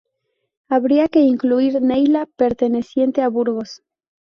Habría que incluir Neila, perteneciente a Burgos.